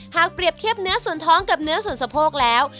เปรียบเทียบเนื้อส่วนท้องกับเนื้อส่วนสะโพกแล้ว